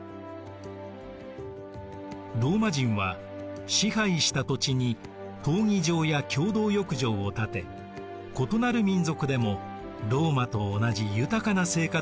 ローマ人は支配した土地に闘技場や共同浴場を建て異なる民族でもローマと同じ豊かな生活が送れるようにしたのです。